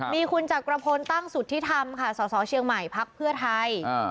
มีคุณจักรพลตั้งสุทธิธรรมค่ะสสเชียงใหม่พักเพื่อไทย